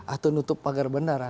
atau nutup pagar bandara